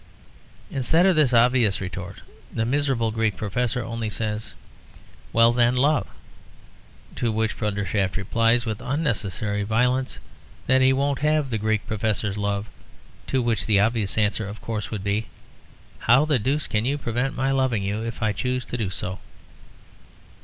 Instead of this obvious retort, the miserable Greek professor only says, "Well then, love," to which Undershaft replies with unnecessary violence that he won't have the Greek professor's love, to which the obvious answer of course would be, "How the deuce can you prevent my loving you if I choose to do so?"